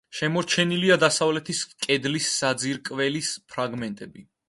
შემორჩენილია დასავლეთის კედლის საძირკველის ფრაგმენტები.